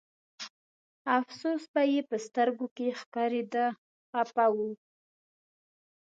افسوس به یې په سترګو کې ښکارېده خپه و.